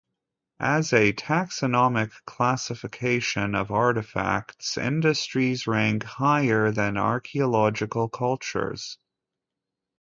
As a taxonomic classification of artefacts, industries rank higher than archaeological cultures.